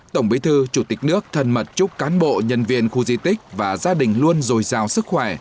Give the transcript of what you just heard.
tổng bí thư chủ tịch nước thân mật chúc cán bộ nhân viên khu di tích và gia đình luôn dồi dào sức khỏe